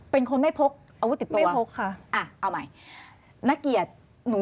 เป็นคนไม่พกอาวุธติดตัวค่ะอ้าวเอาใหม่นักเกียจ